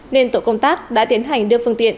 nên tổ công tác đã tiến hành đưa phương tiện